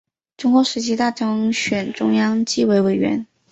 中共十七大当选中央纪委委员。